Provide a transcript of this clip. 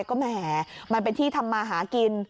ก็แหมมันเป็นที่ทำมาหากิน